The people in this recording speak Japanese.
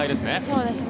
そうですね。